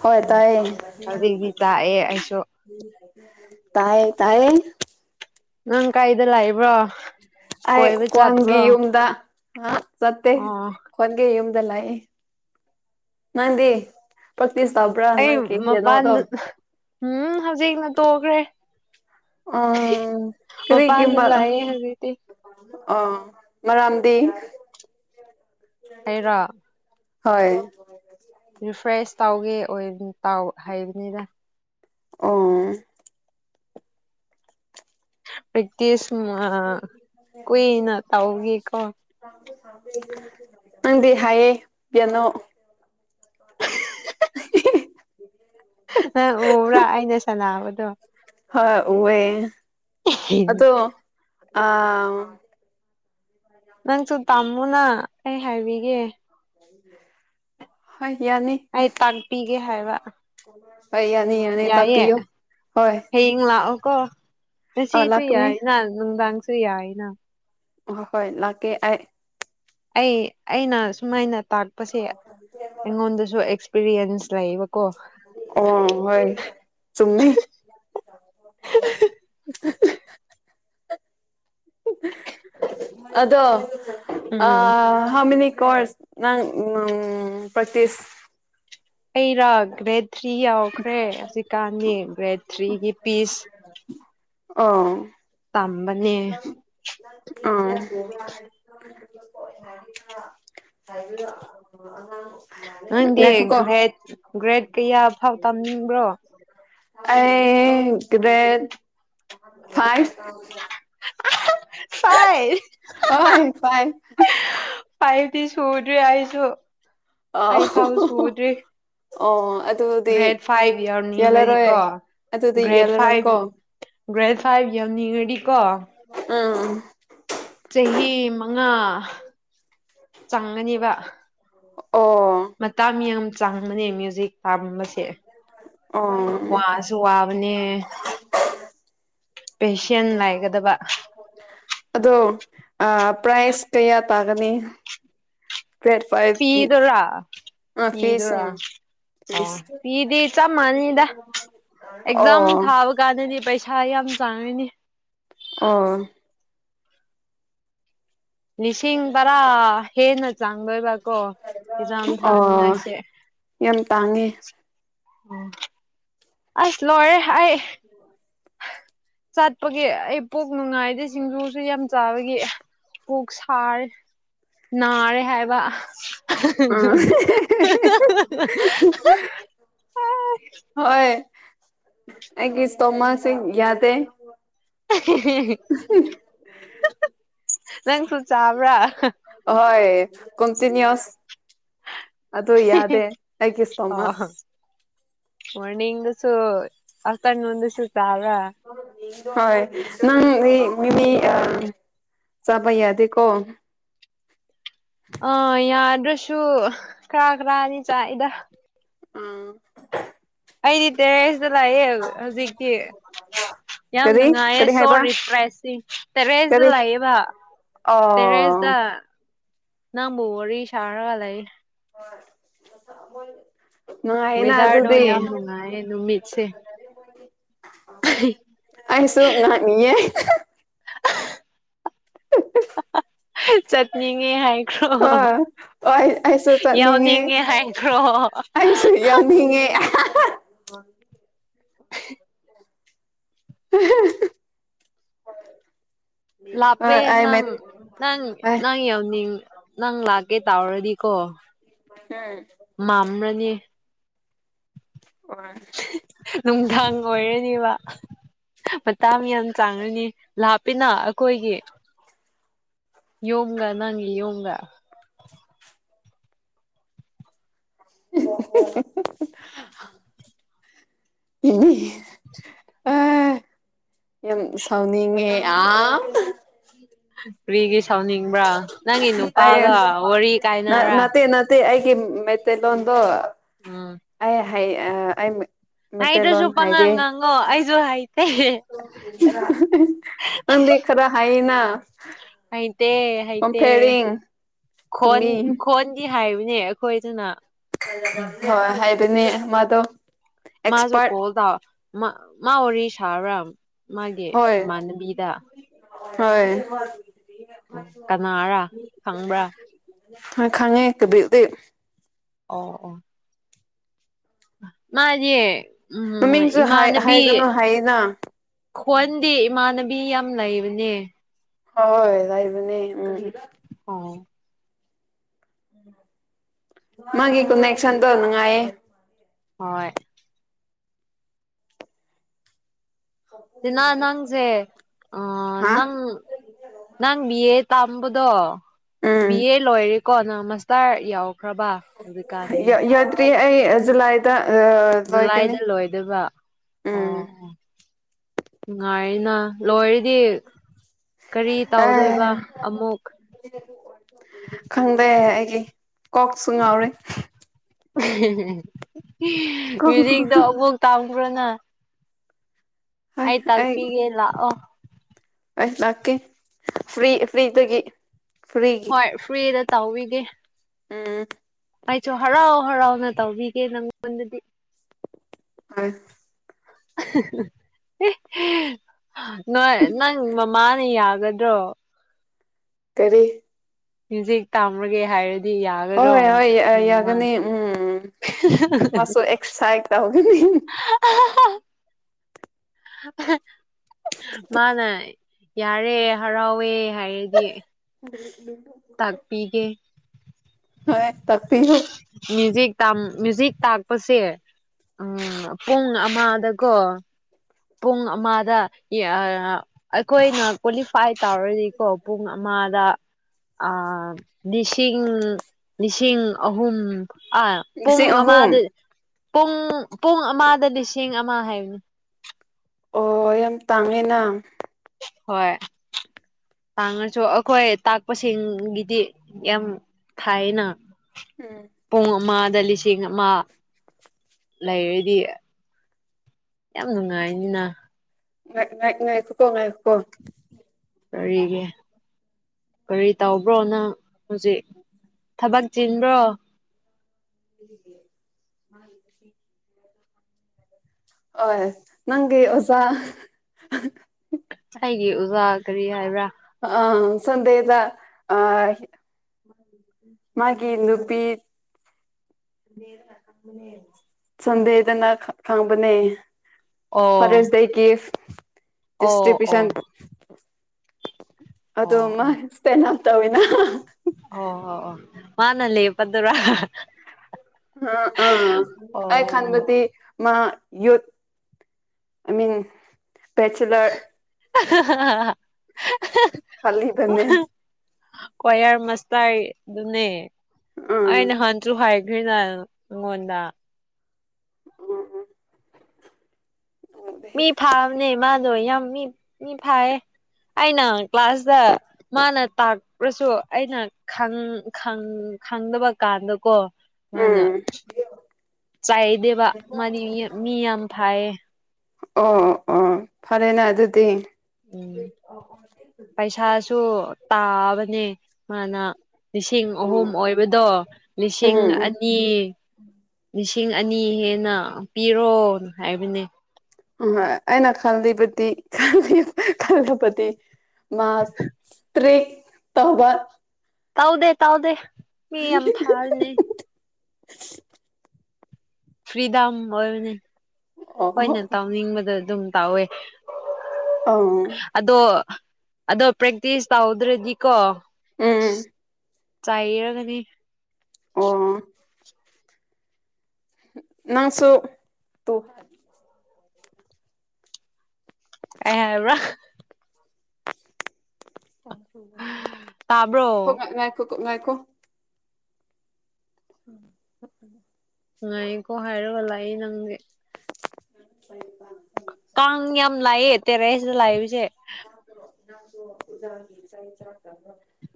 ꯍ ꯇꯥꯏ ꯍꯧꯖꯤꯛꯇꯤ ꯆꯥꯛꯑꯦ ꯑꯩꯁꯨ ꯇꯌꯦ ꯇꯌꯦ ꯅꯪ ꯀꯥꯏꯗꯂ ꯏꯕ꯭ꯔꯣ ꯑꯩ ꯀꯣꯟꯒꯤ ꯌꯨꯝꯗ ꯍꯥ ꯁꯠꯇꯦ ꯑꯣ ꯍꯟꯒꯦ ꯌ ꯅ ꯄ ꯑꯩ ꯃꯄꯥꯟꯗ ꯎꯝ ꯍꯧꯖꯤꯛꯅ ꯇꯣꯛꯈ꯭ꯔꯦ ꯎꯝ ꯀꯔꯤ ꯃꯄꯥꯟꯗ ꯀꯝꯕ ꯂꯥꯛꯑꯦ ꯍꯧꯖꯤꯛꯇꯤ ꯑ ꯃꯔꯝꯗꯤ ꯍꯥꯏꯥꯏꯔ ꯍꯣꯏ ꯐ꯭ꯔꯦꯁ ꯇꯥꯎꯒꯦ ꯇꯥꯎ ꯍꯥꯏꯩꯕꯅꯤꯗ ꯑꯣ ꯄ꯭ꯔꯦꯛꯇꯤꯁ ꯀꯨꯏꯅ ꯇꯧꯒꯦꯀꯣ ꯅꯪꯗꯤ ꯍꯥꯏꯌꯦ ꯌꯦꯅꯣ ꯪ ꯎꯕ꯭ꯔꯥ ꯑꯩꯅ ꯁꯅꯥꯕꯗꯣ ꯍꯣꯏ ꯎꯋꯦ ꯑꯗꯣ ꯑꯥ ꯅꯪꯁꯨ ꯇꯥꯝꯃꯨꯅ ꯑꯩ ꯍꯥꯏꯕꯤꯒꯦ [unintelligible] ꯍ ꯌꯥꯅꯤ ꯒꯤ ꯍꯥꯏꯕ ꯑꯅꯤ ꯌꯥꯅꯤ ꯇꯄꯤꯌꯑꯣ ꯍꯣꯏ ꯀꯣ ꯑ ꯁꯤꯁꯨ ꯌꯥ ꯏ ꯅ ꯁꯤ ꯌꯥꯏꯅ ꯑ ꯍꯣꯏ ꯂꯥꯛꯀꯦ ꯑ ꯑꯩ ꯑꯩꯅ ꯁꯨꯃꯥꯏꯅ ꯇꯥꯛꯄꯁꯦ ꯑꯩꯉꯣꯟꯗꯁꯨ ꯑꯦꯛꯄꯤꯔꯤꯌꯦꯟꯁ ꯑꯣ ꯍꯣꯏ ꯆꯨꯝꯃꯦ ꯑꯗꯣ ꯑ ꯎꯝ ꯍꯥꯃꯤꯅꯤ ꯀꯣꯔꯁ ꯅꯪ ꯎ ꯄꯠꯇ ꯑꯩꯔꯒ ꯔꯦ ꯊ꯭ꯔꯤ ꯌꯥꯎꯈ꯭ꯔꯦ ꯍꯧꯖꯤꯛꯀꯥꯟꯗꯤ ꯔꯦ ꯊ꯭ꯔꯤꯒꯤ ꯄꯤꯁ ꯑꯣ ꯇꯝꯕꯅꯦ ꯑꯥ ꯅꯪꯗꯤ ꯂꯁꯨ ꯀꯣ ꯒ꯭ꯔꯦꯠ ꯄꯨ꯭ꯔꯣ ꯑꯩ ꯀꯗ ꯐꯥꯏ ꯐꯥꯏ ꯍꯣꯏ ꯐꯥꯏꯚ ꯐꯥꯏꯚꯗꯤ ꯁꯨꯔꯗꯔꯦ ꯑꯁꯨ ꯑ ꯑꯣ ꯑꯗꯨꯗꯤ ꯒ꯭ꯔꯦꯠ ꯐꯥꯏꯚ ꯌꯥꯜꯂꯔꯣꯏ ꯌꯎꯅꯤꯡꯉꯗꯤꯀꯣ ꯑꯗꯨꯗꯤ ꯒ꯭ꯔꯦꯠ ꯌꯥꯜꯂꯔꯣꯏꯀꯣ ꯐꯥꯏꯚ ꯒ꯭ꯔꯦꯠ ꯐꯥꯏꯚ ꯌꯎꯅꯤꯡꯉꯗꯤꯀꯣ ꯎꯝ ꯆꯪꯉꯅꯦꯕ ꯎꯝ ꯃꯇꯥ ꯃꯤꯌꯥꯝꯗ ꯆꯪꯕꯅꯦ ꯃ꯭ꯌꯨꯖꯤꯛ ꯄꯥꯝꯕꯁꯦ ꯑꯣ ꯋꯥꯁꯨ ꯋꯥꯕꯅꯦ ꯄꯦꯁꯦꯟ ꯂꯩꯒꯗꯕ ꯑꯗꯣ ꯑ ꯄꯥꯏꯁ ꯀꯌꯥ ꯄꯒꯅꯤ ꯄꯤꯗꯣꯏꯔꯥ ꯑ ꯐꯤꯁ ꯄꯤꯗꯣꯏꯔꯥ ꯎꯝ ꯑꯣ ꯐꯤꯁ ꯄꯤꯗꯤ ꯆꯞ ꯃꯥꯟꯅꯩꯗ ꯑꯦꯛꯖꯥꯝ ꯑꯣ ꯊꯥꯕ ꯀꯥꯟꯗꯗꯤ ꯄꯩꯁꯥ ꯌꯥꯝ ꯆꯥꯡꯉꯅꯦ ꯑ ꯂꯤꯁꯤꯡ ꯔꯥ ꯍꯦꯟꯅ ꯆꯥꯡꯗꯣꯏꯕꯀꯣ ꯍꯛꯖꯥꯝ ꯑꯣ ꯊꯥꯅꯤꯡꯉꯥꯏꯁꯦ ꯌꯥꯝ ꯇꯥꯡꯉꯦ ꯑꯁ ꯂꯔꯦ ꯍꯥꯏ ꯆꯠꯄꯒꯤ ꯑꯩ ꯄꯣꯛ ꯅꯨꯡꯉꯥꯏꯗꯤ ꯁꯤꯡꯖꯨꯁꯨ ꯌꯥꯝ ꯆꯥꯕꯒꯤ ꯑꯣꯣꯛ ꯁꯥꯔꯦ ꯅꯥꯔꯦ ꯍꯥꯏꯕ ꯑ ꯍꯣꯏ ꯑꯦ ꯇꯣꯃꯁꯤ ꯌꯥꯗ [unintelligible] ꯅꯪꯁꯨ ꯆꯥꯕ꯭ꯔꯥ ꯍꯣꯏ ꯀꯟꯇꯤꯅꯤꯁ ꯑꯗꯣ ꯌꯥꯗꯦ ꯑꯏ ꯀꯁꯇꯣꯃ ꯋꯥꯅꯤꯁꯨ ꯑ ꯀꯟ ꯃꯁꯨ ꯇꯥꯕ ꯍꯣꯏ ꯅꯪ ꯃꯤꯃꯤ ꯆꯥꯕ ꯌꯥꯗꯦꯀꯣ ꯑꯥ ꯌꯥꯗ꯭ꯔꯁꯨ ꯀꯔ ꯀꯔꯥꯅꯤ ꯆꯥꯛꯏꯗ ꯑꯥ ꯑꯩꯗꯤ ꯇꯦꯔꯦꯁꯇ ꯂꯥꯛꯑꯦ ꯍꯧꯖꯤꯛꯇꯤ ꯌꯥꯝ ꯀꯔꯤ ꯅꯨꯡꯉꯥꯏꯌꯦ ꯀꯔꯤ ꯍꯥꯏꯕ ꯁꯣꯔꯤ ꯄ꯭ꯔꯦꯁ ꯇꯦꯔꯦꯁꯇ ꯀꯔꯤ ꯂꯥꯛꯑꯦꯕ ꯑꯣ ꯇꯦꯔꯦꯁꯇ ꯅꯕꯨ ꯋꯥꯔꯤꯔꯤ ꯁꯔꯒ ꯂꯩꯦ ꯍ ꯃꯣꯏ ꯋꯦꯗꯥꯔꯗꯣ ꯌꯥꯝ ꯅꯨꯡꯉꯥꯏꯌꯦ ꯅꯨꯃꯤꯠꯁꯦ ꯑꯩꯁꯨ ꯉꯥꯡꯅꯤꯡꯌꯦ ꯆꯠꯅꯤꯡꯉꯦ ꯍꯥꯏꯈ꯭ꯔꯣ ꯑꯥ ꯍꯣꯏ ꯑꯩꯁꯨ ꯆꯠꯅꯤꯡꯉꯦ ꯌꯥꯎꯅꯤꯡꯉꯦ ꯍꯥꯏꯈ꯭ꯔꯣ ꯑꯩꯁꯨ ꯌꯥꯎꯅꯤꯡꯉꯦ [unintelligible] [unintelligible] [unintelligible] ꯂꯥꯞꯄꯦ ꯍꯣꯏ ꯑꯩ ꯅꯪ ꯍꯣꯏ ꯅꯪ ꯅꯪ ꯌꯧꯅꯤꯡ ꯅꯪ ꯂꯥꯛꯀꯦ ꯇꯥꯎꯔꯗꯤꯀꯣ ꯎꯝ ꯃꯝ꯭ꯔꯅꯤ ꯅꯨꯡꯗꯥꯡ ꯑꯣꯏꯔꯅꯦꯕ ꯃꯇꯥꯡ ꯌꯥꯝ ꯆꯥꯡꯉꯅꯤ ꯂꯥꯞꯄꯤꯅ ꯑꯩꯈꯣꯏꯒꯤ ꯌꯣꯝꯒ ꯅꯪꯒꯤ ꯌꯣꯝꯒ ꯏ ꯑ ꯌꯥꯝ ꯁꯥꯎꯅꯤꯡꯉꯦ ꯑ ꯐꯔꯤꯒꯤ ꯁꯧꯅꯤꯡꯕ꯭ꯔꯥ ꯅꯪꯒꯤ ꯑꯩ ꯅꯨꯄꯥꯒ ꯋꯥꯔꯤ ꯀꯥꯏꯅꯕ꯭ꯔꯥ ꯃꯦꯇꯩ ꯂꯣꯗ ꯎꯝ ꯍꯥꯏ ꯑꯩ ꯍꯥꯏꯗꯨ꯭ꯔꯁꯨ ꯃꯩꯇꯩꯂꯣꯟ ꯄꯉꯪ ꯍꯥꯏꯗꯦ ꯉꯥꯡꯉꯣ ꯑꯩꯁꯨ ꯍꯥꯏꯇꯦ [unintelligible] ꯅꯪ ꯈꯔ ꯍꯥꯏꯅ ꯑꯁ ꯑꯥꯏ ꯍꯥꯏ ꯇꯨ ꯈꯣꯟꯣꯟ ꯃꯤ ꯈꯣꯟꯣꯟꯗꯤ ꯍꯥꯏꯕꯅꯦ ꯑꯩꯈꯣꯏꯗꯅ ꯎꯝ ꯍꯣꯏ ꯍꯥꯏ ꯅꯦ ꯃꯗꯣ ꯃꯥꯁꯨ ꯀꯣꯜꯗ ꯃꯥ ꯑꯣꯔꯤꯁ ꯊꯔꯝ ꯃꯥꯒꯦ ꯍꯣꯏ ꯃꯅꯕꯤꯤꯗꯥ ꯍꯣꯏ ꯑꯗꯒꯤ ꯑꯩꯈꯣꯏꯁꯨ ꯀꯅꯥꯔꯥ ꯈꯪꯕ꯭ꯔꯥ ꯍ ꯈꯪꯉꯦꯕꯤꯗ ꯑꯣ ꯑꯣ ꯃꯥꯗꯤ ꯎꯝ ꯃꯃꯤꯡꯁꯨ ꯏꯃꯥꯟꯅꯕꯤ ꯍꯥꯏꯒꯅꯨ ꯍꯥꯏꯌꯦꯅ ꯈꯣꯟꯗꯤ ꯏꯃꯥꯟꯅꯕꯤ ꯌꯥꯝ ꯂꯩꯕꯅꯦ ꯍ ꯇꯥꯏꯕꯅꯦ ꯎꯝ ꯍꯣꯏ ꯃꯥꯒꯤ ꯀꯟ ꯑꯦꯁꯟ ꯇꯣꯅꯅꯨꯡꯉꯥꯏꯌꯦꯦ ꯍꯣꯏ ꯁꯤꯅ ꯅꯪꯁꯦ ꯍꯥ ꯅꯪ ꯅꯪ ꯕꯤ ꯑꯦ ꯇꯥ ꯍꯝꯕꯗꯣ ꯎꯝ ꯑ ꯂꯣꯏ ꯀꯣ ꯅ ꯃꯁꯇꯥꯔ ꯌꯥꯎ ꯌꯥ ꯌꯥꯗꯔꯤ ꯖꯂꯥꯏꯗ ꯖꯨꯂꯥꯏꯗ ꯂꯣꯏꯗꯕ ꯎꯝ ꯑꯣ ꯉꯥꯏꯅꯥ ꯂꯣꯏꯔꯗꯤ ꯀꯔꯤ ꯇꯧꯗꯣꯏꯕ ꯑꯦ ꯑꯃꯨꯛ ꯀꯣꯛ ꯁꯨꯡꯎꯔꯦ [unintelligible] ꯃ꯭ꯌꯨꯖꯤꯛꯇꯣ ꯑꯕꯣꯛ ꯇꯥꯕ꯭ꯔꯅ [unintelligible] ꯍꯣꯏ ꯑꯥꯏ ꯇꯄꯤꯒꯦꯂ ꯑꯣ ꯑ ꯂꯅꯥꯀꯦ ꯐ꯭ꯔꯔꯤ ꯐ꯭ꯔꯔꯤ ꯇꯗꯒꯤ ꯍꯣꯏ ꯐꯔꯤ ꯇꯎꯒ ꯎꯝ ꯑꯩꯁꯨ ꯍꯔꯥꯎ ꯍꯔꯥꯎꯅ ꯇꯧꯕꯤꯒꯦ ꯅꯪꯉꯣꯟꯗꯗꯤ ꯍ ꯅꯣꯏ ꯅꯪ ꯃꯃꯥꯅ ꯌꯥꯒꯗ꯭ꯔꯣ ꯀꯔꯤ ꯖꯤ ꯇꯥꯝꯔꯒꯦ ꯍꯥꯏꯔꯗꯤ ꯌꯥꯒꯗ꯭ꯔꯣ ꯍꯣꯏ ꯎꯝ ꯍꯣꯏ ꯑ ꯃꯥꯅ ꯌꯥꯒꯅꯤ ꯎꯝ ꯎꯝ ꯃꯥꯁꯨ ꯑꯦꯛꯁꯥꯏꯠ ꯇꯧꯒꯅꯤ ꯎꯝ ꯃꯥꯅ ꯌꯥꯔꯦ ꯍꯔꯥꯎꯋꯦ ꯍꯥꯏꯔꯗꯤ [unintelligible] ꯇꯥꯛꯄꯤꯒꯦ ꯍꯦꯛꯇ ꯄꯤꯌꯨ ꯃ꯭ꯌꯨꯖꯤꯛ ꯃ꯭ꯌꯨꯖꯤꯛ ꯇꯥꯛꯄꯁꯦ ꯎ ꯄꯨꯡ ꯑꯃꯗꯀꯣ ꯄꯨꯡ ꯑꯃꯗ ꯑꯩꯈꯣꯏꯅ ꯐꯥꯏ ꯇꯥꯎꯔꯅꯤꯀꯣ ꯄꯨꯡ ꯑꯃꯗ ꯑꯥ ꯂꯤꯁꯤꯡ ꯂꯤꯁꯤꯡ ꯑꯍꯨꯝ ꯑ ꯄꯨꯡ ꯂꯤꯁꯤꯡ ꯑꯃꯥ ꯑꯍꯨꯝ ꯗꯨ ꯄꯨꯡ ꯄꯨꯡ ꯑꯃꯗ ꯂꯤꯁꯤꯡ ꯃꯥ ꯍꯥꯏꯕꯅꯤ ꯑꯣ ꯌꯥꯝ ꯇꯥꯡꯉꯦꯅ ꯍꯣꯏ ꯇꯥꯡꯉꯁꯨ ꯑꯩꯈꯣꯏ ꯇꯥꯛꯄꯁꯤꯡꯒꯤꯗꯤ ꯌꯥꯝ ꯊꯥꯏꯅ ꯎꯝ ꯄꯨꯡ ꯃꯥ ꯂꯤ ꯅ ꯑꯃ ꯂꯩꯔꯗꯤ ꯌꯥꯝ ꯅꯨꯡꯉꯥꯏꯅꯤꯅ ꯉꯀꯣ ꯉꯥꯏꯣ ꯀꯔꯤꯒꯤ ꯀꯔꯤ ꯇꯧꯕ꯭ꯔꯣ ꯅꯪ ꯍꯧꯖꯤꯛ ꯊꯕꯛ ꯆꯤꯟꯕ꯭ꯔꯣ ꯑꯣ ꯅꯪꯒꯤ ꯑꯣꯖꯥ ꯑꯩꯒꯤ ꯑꯣꯖꯥ ꯀꯔꯤ ꯍꯥꯏꯕ꯭ꯔꯥ ꯑ ꯁꯗꯗ ꯑ ꯃꯥꯒꯤ ꯅꯨꯄꯤ ꯁꯟꯗꯦꯗꯅ ꯈꯪꯕꯅꯦ ꯑꯣ [unintelligible] ꯑꯣ ꯑꯣ ꯗꯤꯁꯇ꯭ꯔꯤꯕ꯭ꯌꯨꯁꯟ ꯑꯗꯣ ꯑꯣ ꯃꯥ ꯑꯣ ꯁ꯭ꯇꯦꯅ ꯇꯧꯏꯅ ꯑꯣ ꯑꯣ ꯑꯣ ꯃꯥꯅ ꯂꯩ ꯄꯗꯨ ꯋꯥ ꯑ ꯑꯥ ꯑꯦ ꯈꯥꯟꯒꯗꯤ ꯃꯥ ꯌꯣꯠ ꯑꯥꯏ ꯃꯤꯟ ꯕꯦꯆꯂꯔ [unintelligible] ꯈꯥꯜꯂꯤꯗꯅꯦ ꯀꯣꯏ ꯌꯥꯔ ꯃꯁꯇꯔ ꯑꯗꯨꯅꯦ ꯎꯝ ꯑꯩꯅ ꯅꯥꯍꯟꯁꯨ ꯍꯥꯏ [unintelligible] ꯑꯩꯉꯣꯟꯗ ꯃꯤ ꯐꯥꯕꯅꯦ ꯃꯥꯗꯣ ꯌꯥꯝ ꯃꯤ ꯃꯤ ꯐꯥꯏꯌꯦ ꯍꯥꯏꯅ ꯀ꯭ꯂꯥꯁꯇ ꯃꯥꯅ ꯇꯥꯛꯄ ꯎꯔꯁꯨ ꯑꯩꯅ ꯈꯪ ꯈꯪ ꯈꯪꯗꯕ ꯀꯥꯟꯗꯀꯣ ꯃꯥꯅ ꯎꯝ ꯆꯥꯏꯗꯦꯕ ꯃꯥꯅꯤ ꯃꯤ ꯌꯥꯝ ꯐꯥꯏꯌꯦ ꯑꯣ ꯑꯣ ꯑꯣ ꯐꯔꯦꯅꯦ ꯑꯗꯨꯗꯤ ꯎꯝ ꯄꯩꯁꯥꯁꯨ ꯇꯥꯕꯅꯦ ꯃꯥꯅ ꯂꯤꯁꯤꯡ ꯎꯝ ꯑꯍꯨꯝ ꯑꯣꯏꯕꯗꯣ ꯂꯤꯁꯤꯡ ꯎꯝ ꯑꯅꯤ ꯂꯤꯁꯤꯡ ꯑꯅꯤ ꯍꯦꯟꯅ ꯄꯤꯔꯣ ꯍꯥꯏꯕꯅꯦ ꯎꯝ ꯑꯩꯅ ꯈꯜꯂꯤꯕꯗꯤ ꯈꯜꯂꯨꯕꯗꯤ ꯃꯥꯁꯇ꯭ꯔꯤ ꯇꯧꯕ ꯇꯧꯗꯦ ꯇꯧꯗꯦ ꯃꯤ ꯌꯥꯝ ꯐꯥꯕꯅꯦ ꯐ꯭ꯔꯤꯗꯥꯝ ꯑꯣꯏꯕꯅꯦ ꯍꯣꯏꯅꯦ ꯑꯣ ꯇꯧꯅꯤꯡꯕꯗ ꯑꯗꯨꯝ ꯇꯧꯋꯦ ꯑꯣ ꯎꯝ ꯑꯗꯣ ꯑꯗꯣ ꯄ꯭ꯔꯦꯛꯇꯤꯁ ꯇꯧꯗ꯭ꯔꯗꯤꯀꯣ ꯎꯝ ꯆꯥꯏꯔꯒꯅꯤ ꯑꯣ ꯅꯪꯁꯨ ꯇꯣ ꯑꯩ ꯍꯥꯢꯕ꯭ꯔꯥ ꯇꯥꯕ꯭ꯔꯣ ꯈꯣ ꯉꯥꯢꯍꯥꯛ ꯉꯥꯢꯈꯣ ꯉꯥꯏꯈꯣ ꯎꯝ [unintelligible] ꯉꯥꯏꯀꯣ ꯍꯥꯏꯔꯒꯂ ꯑꯩ ꯅꯪꯒ [unintelligible] ꯀꯥꯡ ꯌꯥꯝ ꯂꯥꯛꯑꯦ ꯇꯦꯔꯦꯁꯤꯗ ꯂꯥꯛꯏꯕꯁꯦ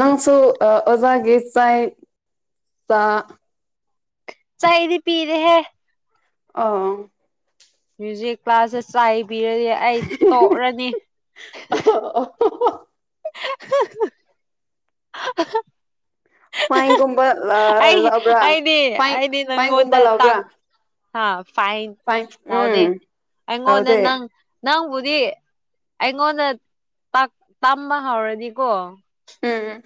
ꯅꯪꯁꯨ ꯑꯣꯖꯒꯤ ꯆꯥꯛ ꯆꯥ ꯆꯥ ꯑꯩꯗꯤ ꯄꯤꯔꯦꯍꯦ ꯑꯥ꯫ ꯃ꯭ꯨꯌꯖꯤꯛ ꯀ꯭ꯂꯥꯁꯦ [unintelligible] ꯇꯤꯔꯗꯤ ꯑꯩ ꯇꯣꯛꯔꯥꯅꯤ [unintelligible] [unintelligible] [unintelligible] [unintelligible] ꯐꯥꯏꯟꯒꯨꯝꯕ ꯑ ꯑꯩ ꯂꯧꯕ꯭ꯔꯥ ꯑꯩꯗꯤ ꯐꯥꯏꯟ ꯑꯩꯗꯤ ꯐꯥꯏꯟꯏꯒꯨꯝꯕ ꯅꯪꯉꯣꯟꯗ ꯇꯥꯛ ꯂꯕ꯭ꯔꯥ꯫ [unintelligible] ꯐꯥꯏꯟ ꯂꯧꯗꯦ ꯑꯩꯉꯣꯟꯗ ꯂꯧꯗꯦ ꯅꯪ ꯅꯪꯕꯨꯗꯤ ꯑꯩꯉꯣꯟꯗ ꯇꯥꯛ ꯇꯝꯕ ꯍꯧꯔꯅꯤꯀꯣ꯫ ꯎꯝ꯫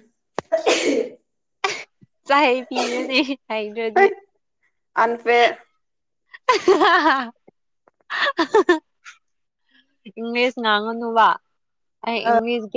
ꯆꯍꯩ ꯄꯤꯔꯅꯤ ꯍꯥꯏꯇ꯭ꯔꯗꯤ꯫ ꯍꯩ ꯑꯟꯐꯦꯌꯔ [unintelligible] ꯏꯪꯂꯤꯁ ꯉꯥꯡꯉꯅꯨꯕ꯫ ꯑꯩ ꯏꯪꯂꯤꯖ